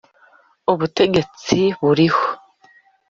ubutegetsi buriho